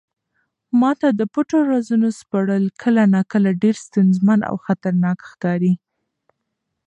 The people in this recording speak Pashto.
ما ته د پټو رازونو سپړل کله ناکله ډېر ستونزمن او خطرناک ښکاري.